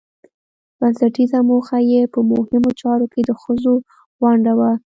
بنسټيزه موخه يې په مهمو چارو کې د ښځو ونډه وه